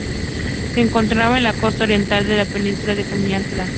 Se encontraba en la costa oriental de la Península de Jutlandia.